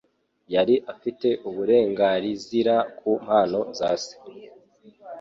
yari afite uburengarizira ku mpano za Se.